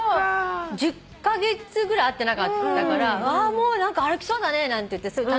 １０カ月ぐらい会ってなかったからもう歩きそうだねなんて言って楽しそうにして。